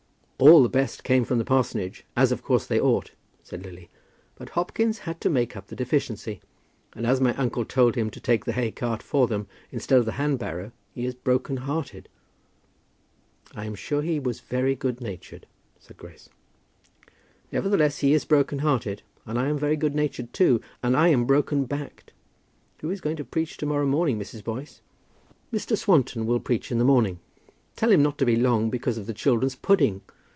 "All the best came from the parsonage, as of course they ought," said Lily. "But Hopkins had to make up the deficiency. And as my uncle told him to take the haycart for them instead of the hand barrow, he is broken hearted." "I am sure he was very good natured," said Grace. "Nevertheless he is broken hearted; and I am very good natured too, and I am broken backed. Who is going to preach to morrow morning, Mrs. Boyce?" "Mr. Swanton will preach in the morning." "Tell him not to be long, because of the children's pudding.